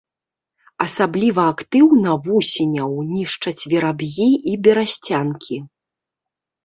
Асабліва актыўна вусеняў нішчаць вераб'і і берасцянкі.